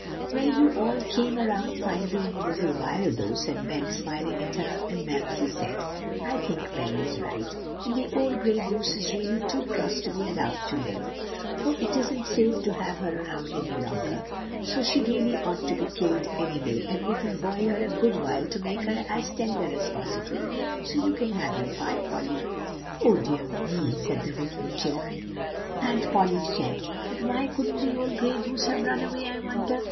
"Well, you all came around finely in a little while, though," said Ben, smiling at her. "And Mamsie said: 'I think Ben is right; and the old gray goose is really too cross to be allowed to live, for it isn't safe to have her around any longer; so she really ought to be killed, anyway, and we can boil her a good while to make her as tender as possible; so you can have your pie, Polly!'" "Oh, dear me!" said the Whitney children. "And Polly said: 'but why couldn't the old gray goose have run away, I wonder?